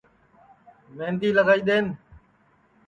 مہندی لگائی دؔین